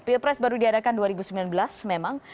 pilpres baru diadakan dua ribu sembilan belas memang